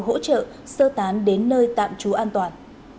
hỗ trợ sơ tán đến nơi tạm trú an toàn